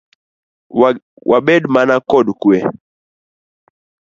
Wabed mana kod kue.